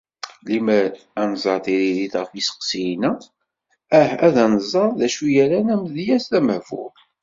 Limmer ad nzeṛ tiririt ɣef yisteqsiyen-a, ah-at ad nzeṛ d acu i yerran amedyaz d amehbul.